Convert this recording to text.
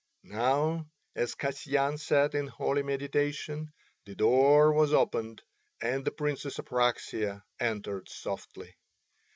Now as Kasyan sat in holy meditation the door was opened and the Princess Apraxia entered softly.